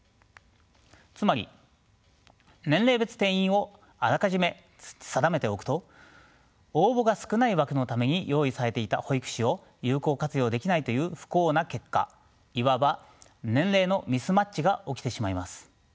つまり年齢別定員をあらかじめ定めておくと応募が少ない枠のために用意されていた保育士を有効活用できないという不幸な結果いわば年齢のミスマッチが起きてしまいます。